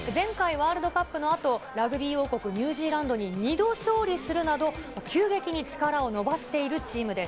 前回ワールドカップの後、ラグビー王国、ニュージーランドに２度勝利するなど、急激に力を伸ばしているチームです。